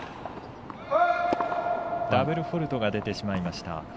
ダブルフォールトが出てしまいました。